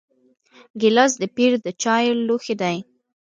ګیلاس د پیر د چایو لوښی دی.